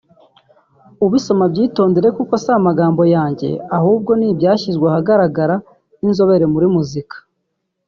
ubisoma abyitondere kuko si amagambo yanjye ahubwo n’ibyashyizwe ahagaragara n’inzobere muri muzika